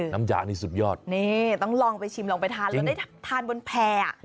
น้ำยานี่สุดยอดนี่ต้องลองไปชิมลองไปทานแล้วได้ทานบนแพร่อ่ะ